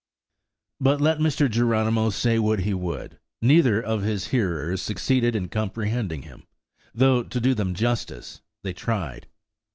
But let Mr. Geronimo say what he would, neither of his hearers succeeded in comprehending him, though, to do them justice, they tried.